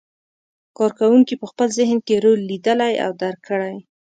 کار کوونکي په خپل ذهن کې رول لیدلی او درک کړی.